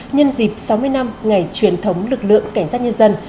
nhân dịp sáu mươi năm ngày truyền thống lực lượng cảnh sát nhân dân